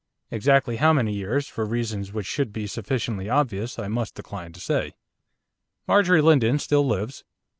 Exactly how many years, for reasons which should be sufficiently obvious, I must decline to say. Marjorie Lindon still lives.